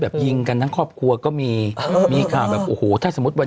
ยิงกันทั้งครอบครัวก็มีมีข่าวแบบโอ้โหถ้าสมมุติวัน